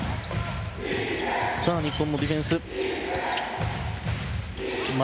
日本のディフェンス。